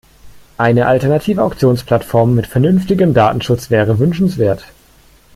Eine alternative Auktionsplattform mit vernünftigem Datenschutz wäre wünschenswert.